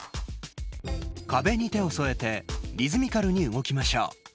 壁に手を添えてリズミカルに動きましょう。